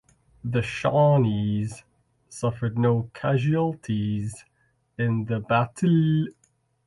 The Shawnees suffered no casualties in the battle.